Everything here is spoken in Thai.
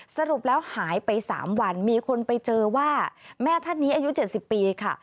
สรุปแล้วหายไป๓วันมีคนไปเจอว่าแม่ท่านนี้อายุ๗๐ปีค่ะ